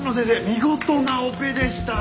見事なオペでした。